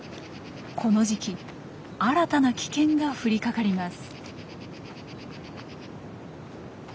この時期新たな危険が降りかかります。